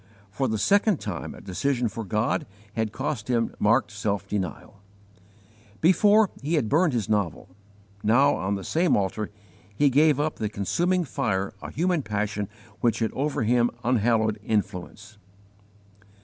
For the second time a decision for God had cost him marked self denial. Before, he had burned his novel; now, on the same altar, he gave up to the consuming fire a human passion which had over him an unhallowed influence.